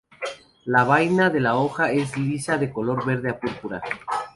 La vaina de la hoja es lisa, de color verde a púrpura.